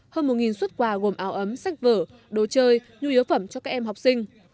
hơn một xuất quà gồm áo ấm sách vở đồ chơi nhu yếu phẩm cho các em học sinh